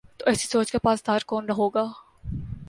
تو ایسی سوچ کا پاسدار کون ہو گا؟